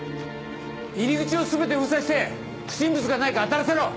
入り口を全て封鎖して不審物がないか当たらせろ。